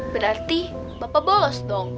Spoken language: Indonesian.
berarti bapak bolos dong